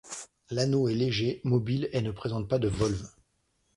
L'anneau est léger, mobile, et ne présente pas de volve.